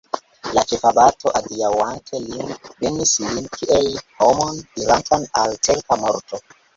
La ĉefabato, adiaŭante lin, benis lin kiel homon, irantan al certa morto.